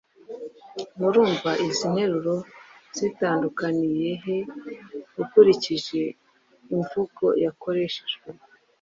Murumva izi nteruro zitandukaniye he ukurikije imvugo yakoreshejwe?